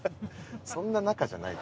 そんな仲じゃない。